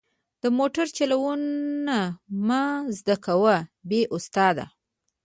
د موټر چلوونه مه زده کوه بې استاده.